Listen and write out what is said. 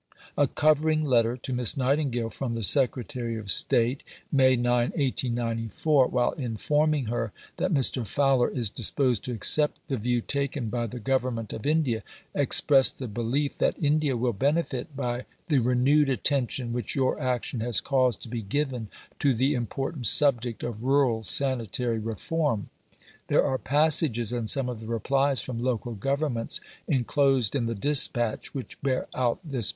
A covering letter to Miss Nightingale from the Secretary of State (May 9, 1894), while informing her that Mr. Fowler "is disposed to accept the view taken by the Government of India," expressed the belief "that India will benefit by the renewed attention which your action has caused to be given to the important subject of rural sanitary reform." There are passages in some of the replies from Local Governments, enclosed in the dispatch, which bear out this belief.